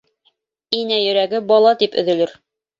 Инә йөрәге бала тип өҙөлөр.